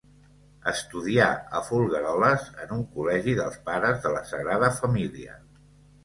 Estudià a Folgueroles en un col·legi dels Pares de la Sagrada Família.